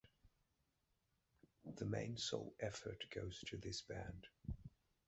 The main soul effort goes to this band.